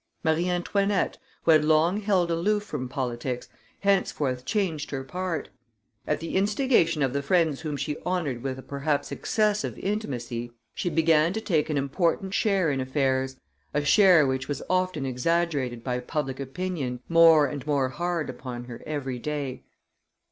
Marie Antoinette, who had long held aloof from politics, henceforth changed her part; at the instigation of the friends whom she honored with a perhaps excessive intimacy, she began to take an important share in affairs, a share which was often exaggerated by public opinion, more and more hard upon her every day.